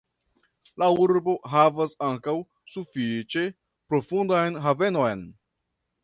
La urbo havas ankaŭ sufiĉe profundan havenon.